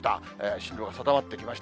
進路が定まってきました。